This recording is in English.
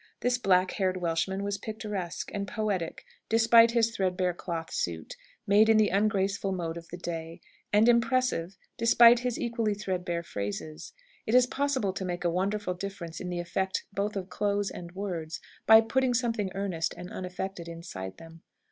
This black haired Welshman was picturesque and poetic, despite his threadbare cloth suit, made in the ungraceful mode of the day; and impressive, despite his equally threadbare phrases. It is possible to make a wonderful difference in the effect both of clothes and words, by putting something earnest and unaffected inside them.